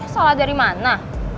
salah dari mana